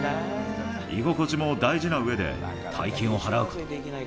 居心地も大事なうえで、大金を払うこと。